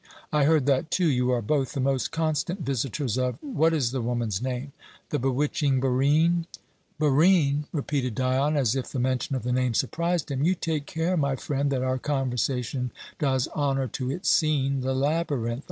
"I heard that too. You are both the most constant visitors of what is the woman's name? the bewitching Barine." "Barine?" repeated Dion, as if the mention of the name surprised him. "You take care, my friend, that our conversation does honour to its scene, the labyrinth.